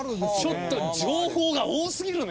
ちょっと情報が多すぎるね。